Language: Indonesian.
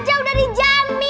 sama melia sama melia